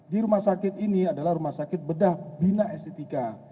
di rumah sakit ini adalah rumah sakit bedah binasetika